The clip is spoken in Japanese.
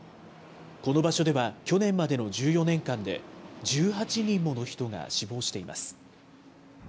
この場所では去年までの１４年間で、１８人もの人が死亡しています。